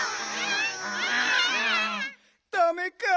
ダメか。